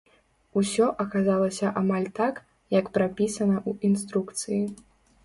Усё аказалася амаль так, як прапісана ў інструкцыі.